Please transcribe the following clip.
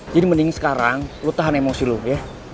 jadi mending sekarang lo tahan emosi lo ya